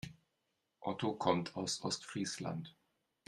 Otto kommt aus Ostfriesland.